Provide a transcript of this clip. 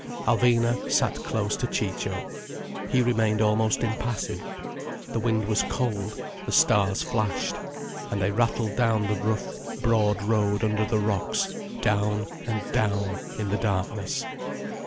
Alvina sat close to Ciccio. He remained almost impassive. The wind was cold, the stars flashed. And they rattled down the rough, broad road under the rocks, down and down in the darkness.